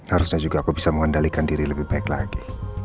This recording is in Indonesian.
harusnya juga aku bisa mengendalikan diri lebih baik lagi